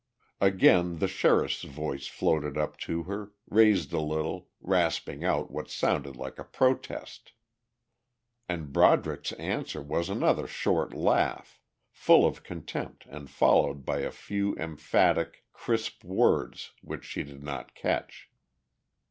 Again the sheriff's voice floated up to her, raised a little, rasping out what sounded like a protest. And Broderick's answer was another short laugh, full of contempt and followed by a few emphatic, crisp words which she did not catch.